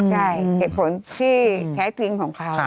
ใช่เหตุผลที่แท้จริงของเขา